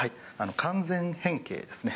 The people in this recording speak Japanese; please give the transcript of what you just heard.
完全変形ですね。